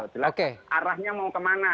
jelas arahnya mau kemana